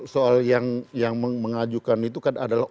soal yang mengajukan itu kan adalah